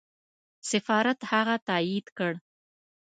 سفارت هغه تایید کړ.